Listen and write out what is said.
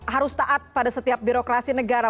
harus taat pada setiap birokrasi negara